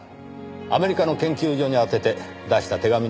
アメリカの研究所に宛てて出した手紙のようです。